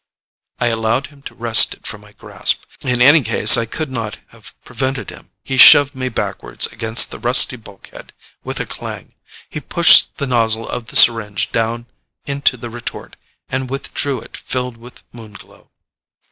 I allowed him to wrest it from my grasp. In any case I could not have prevented him. He shoved me backwards against the rusty bulkhead with a clang. He pushed the nozzle of the syringe down into the retort and withdrew it filled with Moon Glow.